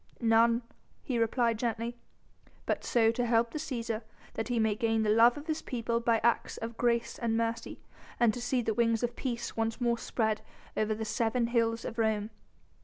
"None," he replied gently, "but so to help the Cæsar, that he may gain the love of his people by acts of grace and mercy, and to see the wings of peace once more spread over the seven hills of Rome."